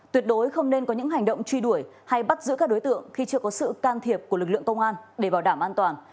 tuyệt đối không nên có những hành động truy đuổi hay bắt giữ các đối tượng khi chưa có sự can thiệp của lực lượng công an để bảo đảm an toàn